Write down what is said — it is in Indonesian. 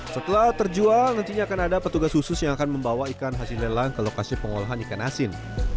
setelah terjual nantinya akan ada petugas khusus yang akan membawa ikan hasil lelang ke lokasi pengolahan ikan asin